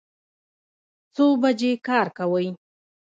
څو بجې کار کوئ؟